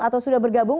atau sudah bergabung